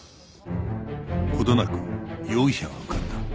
ほどなく容疑者が浮かんだ